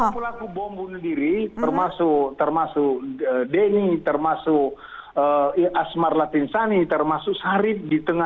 semua pelaku bom bunuh diri termasuk denny termasuk asmar latinsani termasuk sarip